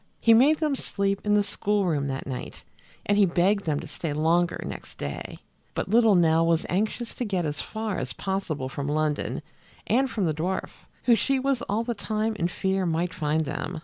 He made them sleep in the school room that night, and he begged them to stay longer next day, but little Nell was anxious to get as far as possible from London and from the dwarf, who she was all the time in fear might find them.